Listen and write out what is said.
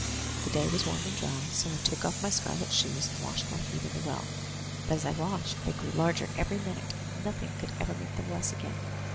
The day was warm and dry, so I took off my scarlet shoes, and washed my feet in the well; but as I washed they grew larger every minute, and nothing could ever make them less again.